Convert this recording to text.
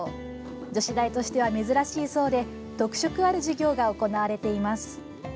女子大としては珍しいそうで特色ある授業が行われています。